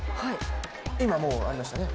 今、もうありましたね。